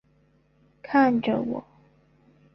看着我